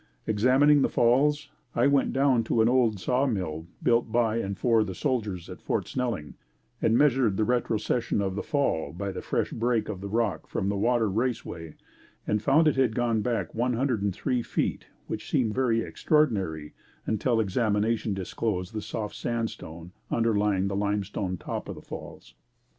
Examining the Falls, I went down to an old saw mill built by and for the soldiers at Fort Snelling and measured the retrocession of the fall by the fresh break of the rock from the water race way and found it had gone back one hundred and three feet which seemed very extraordinary until examination disclosed the soft sandstone underlying the limestone top of the falls.